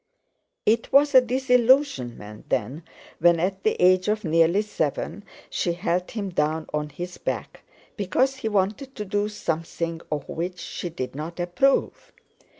It was a disillusionment, then, when at the age of nearly seven she held him down on his back, because he wanted to do something of which she did not approve.